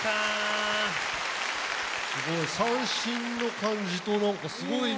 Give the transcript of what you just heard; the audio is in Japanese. すごい。三線の感じと何かすごいね。